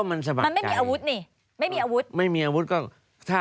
มันไม่มีอาวุธ